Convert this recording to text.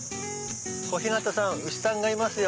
小日向さん牛さんがいますよ。